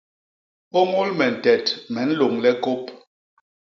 Ôñôl me ntet me nlôñle kôp.